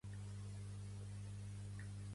Posar algú a la vergonya.